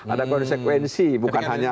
ada konsekuensi bukan hanya